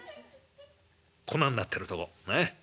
粉になってるとこ。